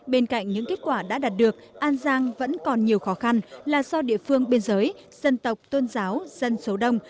bên cạnh những kết quả đã đạt được an giang vẫn còn nhiều khó khăn là do địa phương biên giới dân tộc tôn giáo dân số đông